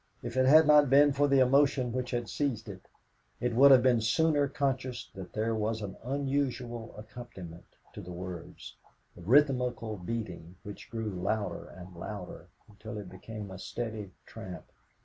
If it had not been for the emotion which had seized it, it would have been sooner conscious that there was an unusual accompaniment to the words, a rhythmical beating, which grew louder and louder until it became a steady tramp.